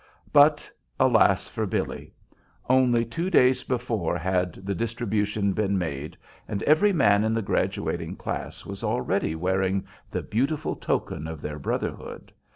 But alas for Billy! Only two days before had the distribution been made, and every man in the graduating class was already wearing the beautiful token of their brotherhood.